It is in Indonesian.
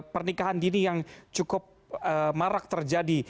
pernikahan dini yang cukup marak terjadi